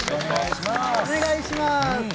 お願いします。